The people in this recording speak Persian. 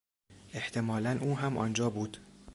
احتمالا او هم آنجا بود.